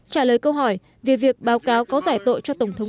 trả lời câu hỏi về việc báo cáo có giải tội cho tổng thống